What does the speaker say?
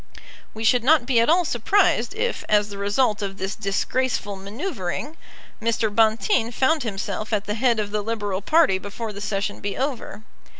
We should not be at all surprised if, as the result of this disgraceful manoeuvring, Mr. Bonteen found himself at the head of the Liberal party before the Session be over.